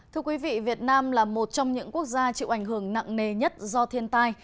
thưa quý vị việt nam là một trong những quốc gia chịu ảnh hưởng nặng nề nhất do thiên tai